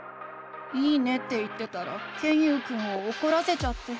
「いいね」って言ってたらケンユウくんをおこらせちゃって。